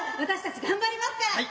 私たち頑張りますから。